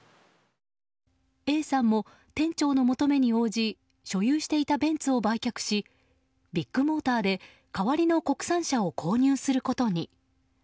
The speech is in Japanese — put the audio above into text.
Ａさんも店長の求めに応じ所有していたベンツを売却しビッグモーターで代わりの国産車を購入することに。